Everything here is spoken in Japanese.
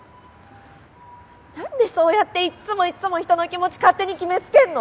なんでそうやっていっつもいっつも人の気持ち勝手に決めつけんの？